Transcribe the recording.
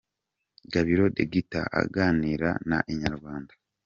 Gabiro The Guitar aganira na Inyarwanda.